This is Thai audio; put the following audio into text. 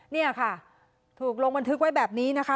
นี่ค่ะถูกลงบันทึกไว้แบบนี้นะคะ